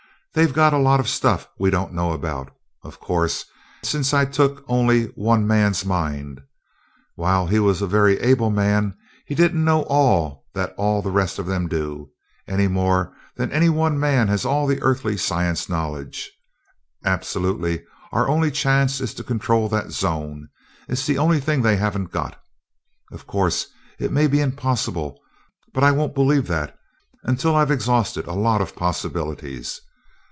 They've got a lot of stuff we don't know about, of course, since I took only one man's mind. While he was a very able man, he didn't know all that all the rest of them do, any more than any one man has all the earthly science known. Absolutely our only chance is to control that zone it's the only thing they haven't got. Of course, it may be impossible, but I won't believe that, until I've exhausted a lot of possibilities.